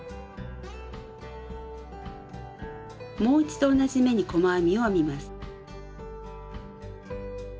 もう一度同じ目に細編みを編みます。